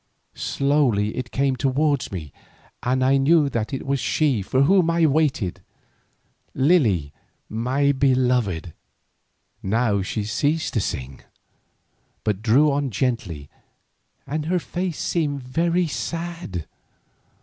Slowly it came towards me and I knew that it was she for whom I waited, Lily my beloved. Now she ceased to sing, but drew on gently and her face seemed very sad.